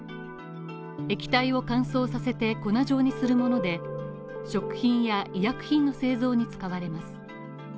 液体を乾燥させて粉状にするもので、食品や医薬品の製造に使われます。